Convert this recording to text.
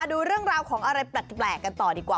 ดูเรื่องราวของอะไรแปลกกันต่อดีกว่า